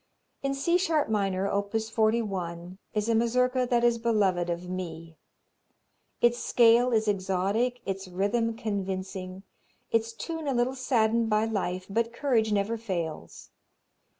In C sharp minor, op. 41, is a Mazurka that is beloved of me. Its scale is exotic, its rhythm convincing, its tune a little saddened by life, but courage never fails.